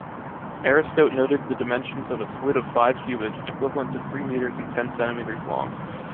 Aristote noted the dimensions of a squid of five cubits, equivalent to three meters and ten centimeters long.